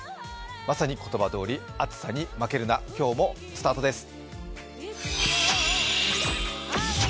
まさに言葉どおり暑さに負けるな、今日もスタートです。